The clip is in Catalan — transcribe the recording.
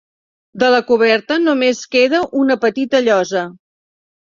De la coberta només queda una petita llosa.